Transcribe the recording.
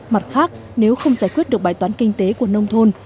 mặt khác nếu không giải quyết được bài toán kinh tế của nông thôn